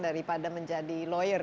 daripada menjadi peguam